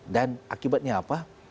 dan akibatnya apa